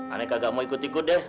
aneh kagak mau ikut ikut deh